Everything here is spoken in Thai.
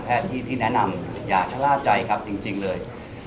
ที่แนะนำอย่าชะล่าใจครับจริงเลย